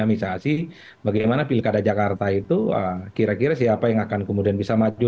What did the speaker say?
misalnya bagaimana pilkada jakarta itu kira kira siapa yang akan kemudian bisa maju